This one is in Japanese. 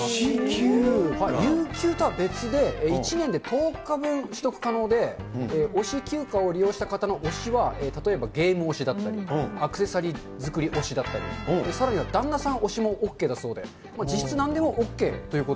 有給とは別で、１年で１０日分取得可能で、推し休暇を利用した方の推しは、例えばゲーム推しだったり、アクセサリー作り推しだったり、さらには旦那さん推しもＯＫだそうで、実質なんでもＯＫというこ